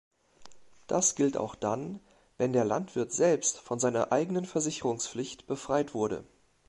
Das gilt auch dann, wenn der Landwirt selbst von seiner eigenen Versicherungspflicht befreit wurde.